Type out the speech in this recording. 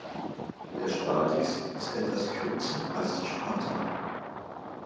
Der Spadix ist etwas kürzer als die Spatha.